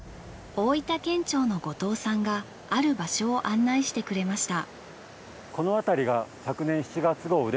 大分県庁の後藤さんがある場所を案内してくれました。